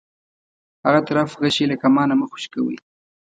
هغه طرف غشی له کمانه مه خوشی کوئ.